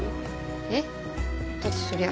えっ？だってそりゃ。